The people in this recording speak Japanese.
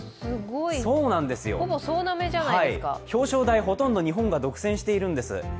そうなんですよ、表彰台、ほとんど日本が独占しているんです。